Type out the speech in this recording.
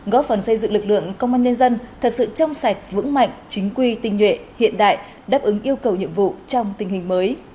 góp phần xây dựng lực lượng công an nhân dân thật sự trong sạch vững mạnh chính quy tình nhuệ hiện đại đáp ứng yêu cầu nhiệm vụ trong tình hình mới